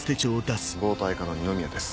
暴対課の二宮です。